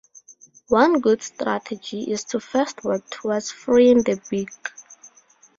One good strategy is to first work towards freeing the beak.